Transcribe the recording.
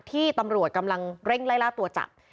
ที่ตำรวจกำลังเร่งไล่ล่าตัวจับ